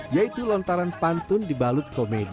yaitu lontaran pantun dibalut komedi